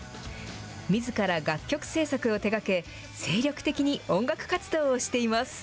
みずから楽曲制作を手がけ、精力的に音楽活動をしています。